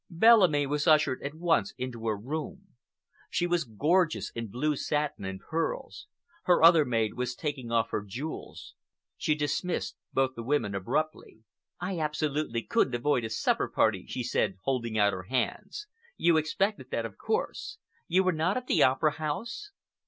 Bellamy was ushered at once into her room. She was gorgeous in blue satin and pearls. Her other maid was taking off her jewels. She dismissed both the women abruptly. "I absolutely couldn't avoid a supper party," she said, holding out her hands. "You expected that, of course. You were not at the Opera House?"